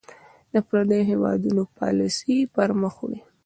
د پرديـو هېـوادونـو پالسـي پـر مــخ وړي .